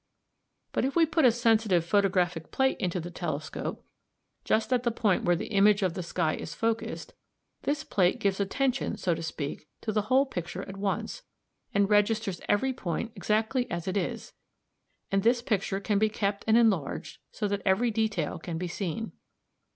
But if we put a sensitive photographic plate into the telescope just at the point (i, i, Fig. 18), where the image of the sky is focused, this plate gives attention, so to speak, to the whole picture at once, and registers every point exactly as it is; and this picture can be kept and enlarged so that every detail can be seen.